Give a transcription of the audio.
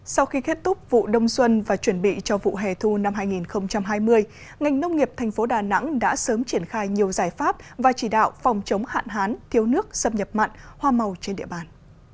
sau khi kết thúc vụ đông xuân và chuẩn bị cho vụ hè thu năm hai nghìn hai mươi ngành nông nghiệp thành phố đà nẵng đã sớm triển khai nhiều giải pháp và chỉ đạo phòng chống hạn hán thiếu nước xâm nhập mặn hoa màu trên địa bàn